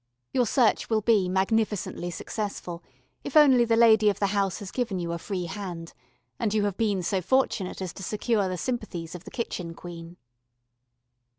Your search will be magnificently successful, if only the lady of the house has given you a free hand, and you have been so fortunate as to secure the sympathies of the kitchen queen.